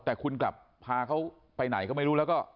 แต่คุณกลับพาเขาไปไหนก็ไม่รู้แล้วก็